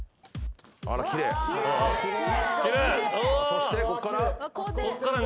そしてこっから。